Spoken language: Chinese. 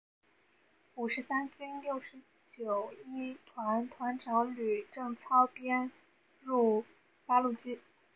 五十三军六九一团团长吕正操编入八路军。